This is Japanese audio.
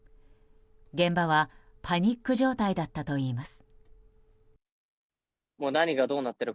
現場はパニック状態だったといいます。